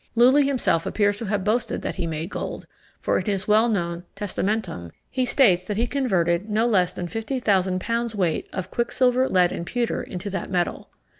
Lulli himself appears to have boasted that he made gold; for, in his well known Testamentum, he states that he converted no less than fifty thousand pounds weight of quicksilver, lead, and pewter into that metal.